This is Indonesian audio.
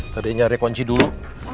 tadi nyari kunci dulu